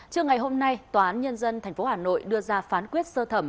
trưa ngày hôm nay tòa án nhân dân tp hà nội đưa ra phán quyết sơ thẩm